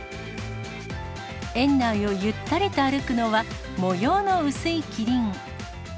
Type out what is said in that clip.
園内をゆったりと歩くのは、模様の薄いキリン。